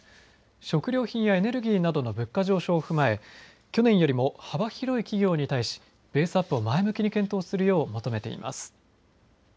食料品やエネルギーなどの物価上昇を踏まえ去年よりも幅広い企業に対しベースアップを前向きに検討するよう求めています。